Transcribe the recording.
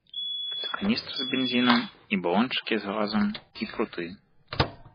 Тут і каністра з бензінам, і балончыкі з газам, і пруты.